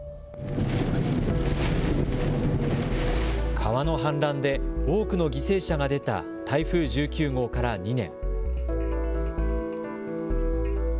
川の氾濫で多くの犠牲者が出た台風１９号から２年。